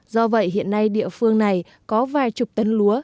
do vậy hiện nay địa phương này có vài chục tấn lúa